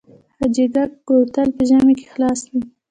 حاجي ګک کوتل په ژمي کې خلاص وي؟